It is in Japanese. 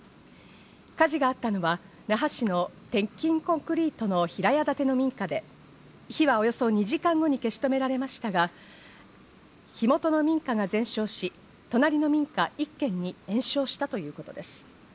火事があったのは那覇市の鉄筋コンクリートの平屋建ての民家で、火はおよそ２時間後に消し止められましたが、火元の民家が全焼し、隣の民家１軒に延焼したということです。